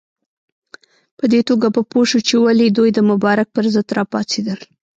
په دې توګه به پوه شو چې ولې دوی د مبارک پر ضد راپاڅېدل.